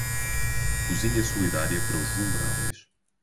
Cozinha solidária para os vulneráveis